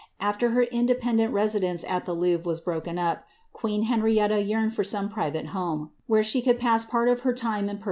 After her inde endent residence at tlie Louvre was broken up, queen Henrietta yearned >r some private home, wlicre she could pass part of her time in per